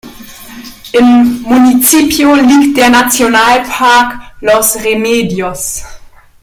Im Municipio liegt der Nationalpark Los Remedios.